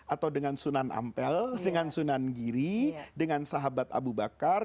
atau dengan sunan ampel dengan sunan giri dengan sahabat abu bakar